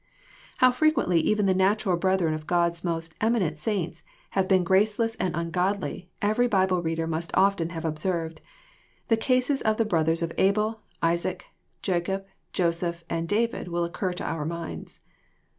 How firequently even the natural brethren of God's most emi nent saints have been graceless and ungodly, every Bible reader must often have observed. The cases of the brothers of Abel, Isaac, Jacob, Joseph, and David will occur to our minds.